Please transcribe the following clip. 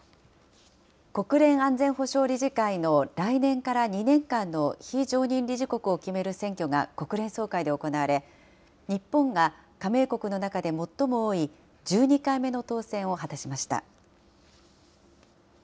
国連安全保障理事会の来年から２年間の非常任理事国を決める選挙が国連総会で行われ、日本が加盟国の中で最も多い１２回目の当選を果たしました。